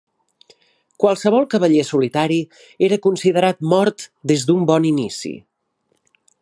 Qualsevol cavaller solitari era considerat mort des d'un bon inici.